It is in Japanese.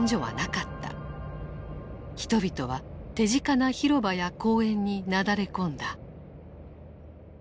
人々は手近な広場や公園になだれ込んだ。